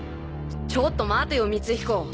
ちょっと待てよ光彦！